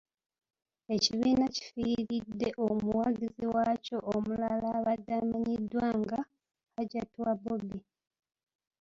Ekibiina kifiiridde omuwagizi waakyo omulala abadde amanyiddwa nga ‘ Hajati wa Bobi’.